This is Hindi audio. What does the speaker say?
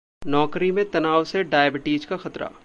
नौकरी में तनाव से डायबिटीज का खतरा